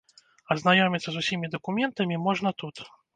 Азнаёміцца з усімі дакументамі можна тут.